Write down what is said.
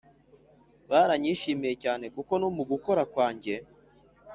baranyishimiye cyane kuko no mugukora kwanjye